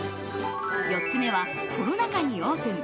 ４つ目はコロナ禍にオープン。